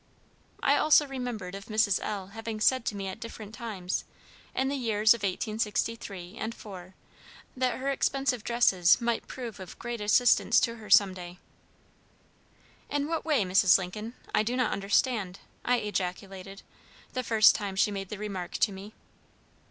I also remembered of Mrs. L. having said to me at different times, in the years of 1863 and '4, that her expensive dresses might prove of great assistance to her some day. "In what way, Mrs. Lincoln? I do not understand," I ejaculated, the first time she made the remark to me.